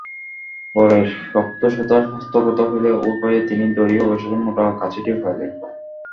পরে শক্ত সুতা হস্তগত হইলে ঐ উপায়ে তিনি দড়ি ও অবশেষে মোটা কাছিটিও পাইলেন।